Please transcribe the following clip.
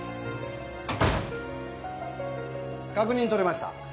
確認取れました。